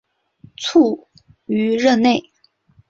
卒于任内。